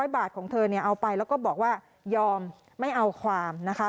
๐บาทของเธอเนี่ยเอาไปแล้วก็บอกว่ายอมไม่เอาความนะคะ